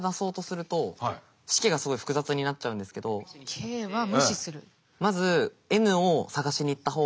ｋは無視する。